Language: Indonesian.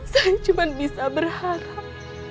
saya cuma bisa berharap